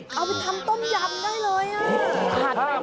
เฮ้ยเอาไปทำต้มยำได้เลยผัดในมะกู๋ดน้ำมะ